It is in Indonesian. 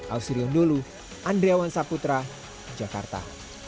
ausriun dulu andriawan saputra jakarta